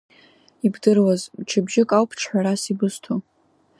Ибдыруаз, мчыбжьык ауп ҽҳәарас ибысҭо…